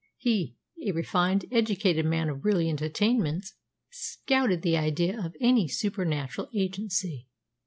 He, a refined, educated man of brilliant attainments, scouted the idea of any supernatural agency.